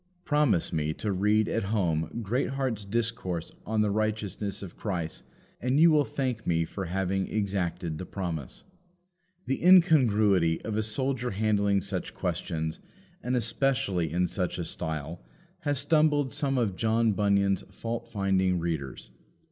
Promise me to read at home Greatheart's discourse on the Righteousness of Christ, and you will thank me for having exacted the promise. The incongruity of a soldier handling such questions, and especially in such a style, has stumbled some of John Bunyan's fault finding readers.